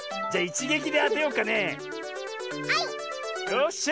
よっしゃ！